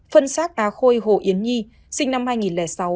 phân sát á khôi hồ yến nhi sinh năm hai nghìn sáu hà nội